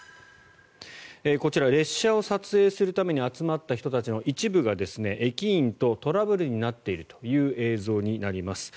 こちら、列車を撮影するために集まった人たちの一部が駅員とトラブルになっているという映像になります。